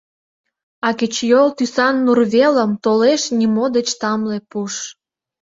А кечыйол тӱсан нур велым толеш нимо деч тамле пуш.